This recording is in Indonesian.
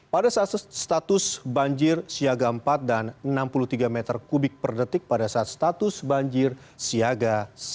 pada saat status banjir siaga empat dan enam puluh tiga meter kubik per detik pada saat status banjir siaga satu